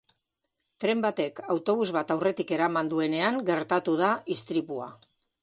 Tren batek autobus bat aurretik eraman duenean gertatu da istripua.